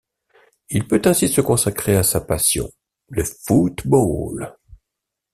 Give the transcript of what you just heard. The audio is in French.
Il peut ainsi se consacrer à sa passion, le football.